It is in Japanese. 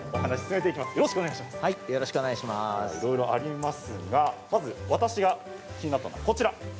では、いろいろありますがまず私が気になったのは、こちら。